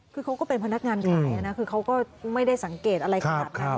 คือเขาก็เป็นพนักงานขายนะคือเขาก็ไม่ได้สังเกตอะไรขนาดนั้น